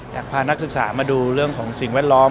อยากพานักศึกษามาดูเรื่องของสิ่งแวดล้อม